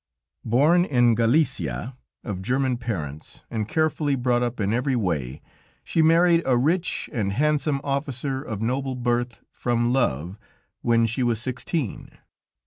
Born in Galicia of German parents, and carefully brought up in every way, she married a rich and handsome officer of noble birth, from love, when she was sixteen.